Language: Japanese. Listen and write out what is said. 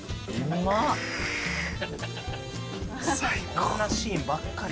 こんなシーンばっかり。